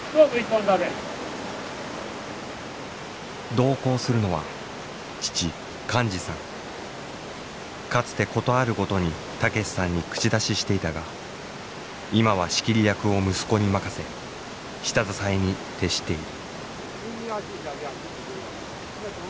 同行するのはかつてことあるごとに武さんに口出ししていたが今は仕切り役を息子に任せ下支えに徹している。